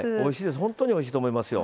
本当においしいと思いますよ。